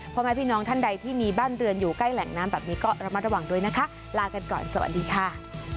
พ่อแม่พี่น้องท่านใดที่มีบ้านเรือนอยู่ใกล้แหล่งน้ำแบบนี้ก็ระมัดระวังด้วยนะคะลากันก่อนสวัสดีค่ะ